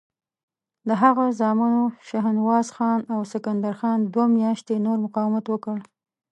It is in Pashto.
د هغه زامنو شهنواز خان او سکندر خان دوه میاشتې نور مقاومت وکړ.